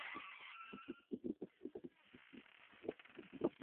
濉城镇是中国福建省三明市建宁县下辖的一个镇。